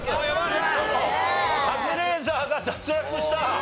しかもカズレーザーが脱落した！